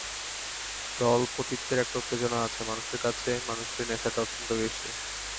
দলপতিত্বের একটা উত্তেজনা আছে, মানুষের কাছে মানুষের নেশাটা অত্যন্ত বেশি।